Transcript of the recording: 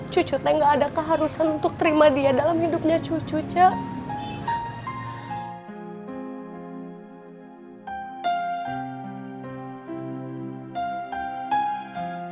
cucu saya gak ada keharusan untuk terima dia dalam hidupnya cucu cek